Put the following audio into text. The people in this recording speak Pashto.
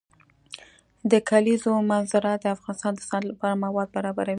د کلیزو منظره د افغانستان د صنعت لپاره مواد برابروي.